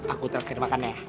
aku terakhir makan ya